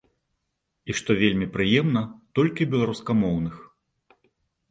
І што вельмі прыемна, толькі беларускамоўных.